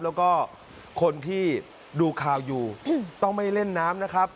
แล้วก็คนที่ดูข่าวอยู่ต้องไม่เล่นน้ำนะครับ